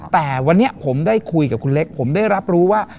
แต่วันนี้ผมได้คุยกับคุณเล็กผมได้รับรู้ว่า